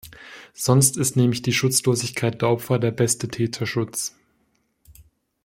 Sonst ist nämlich die Schutzlosigkeit der Opfer der beste Täterschutz.